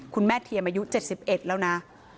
คุณแม่เทียมอายุ๗๑แล้วนะ